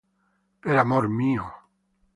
Per amor mio!